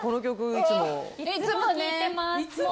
いつも聞いてます。